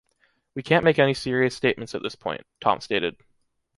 We can't make any serious statements at this point, Tom stated.